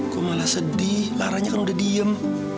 kok malah sedih laranya kan udah diem